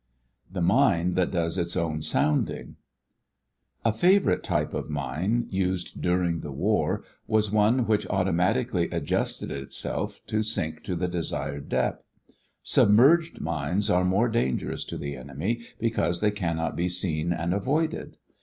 THE MINE THAT DOES ITS OWN SOUNDING A favorite type of mine used during the war was one which automatically adjusted itself to sink to the desired depth. Submerged mines are more dangerous to the enemy because they cannot be seen and avoided.